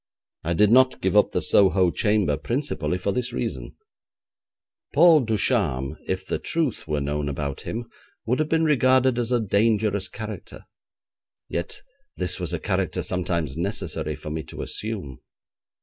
I did not give up the Soho chamber principally for this reason: Paul Ducharme, if the truth were known about him, would have been regarded as a dangerous character; yet this was a character sometimes necessary for me to assume.